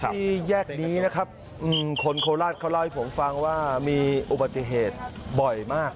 ที่แยกนี้นะครับคนโคราชเขาเล่าให้ผมฟังว่ามีอุบัติเหตุบ่อยมาก